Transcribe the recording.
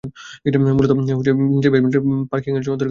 মূল ভবনের নিচে বেসমেন্ট গাড়ি পার্কিংয়ের জন্য অতিরিক্ত দুটি তলা আছে।